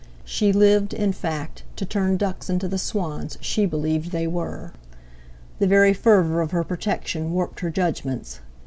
She lived, in fact, to turn ducks into the swans she believed they were. The very fervour of her protection warped her judgments.